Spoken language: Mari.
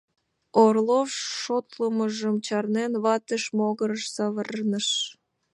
Орлов, шотлымыжым чарнен, ватыж могырыш савырныш.